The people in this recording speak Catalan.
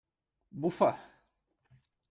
Bufa!